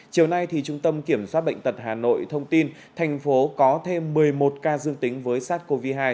chiều nay trung tâm kiểm soát bệnh tật hà nội thông tin thành phố có thêm một mươi một ca dương tính với sars cov hai